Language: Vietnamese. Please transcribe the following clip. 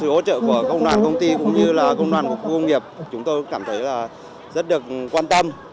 sự hỗ trợ của công đoàn công ty cũng như là công đoàn của khu công nghiệp chúng tôi cảm thấy rất được quan tâm